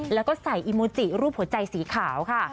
แล้วก็ใส่อีมูจิรูปหัวใจสีขาวค่ะ